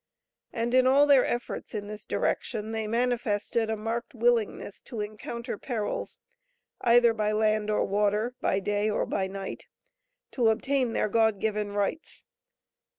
And in all their efforts in this direction they manifested a marked willingness to encounter perils either by land or water, by day or by night, to obtain their God given rights.